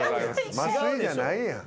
麻酔じゃないやん。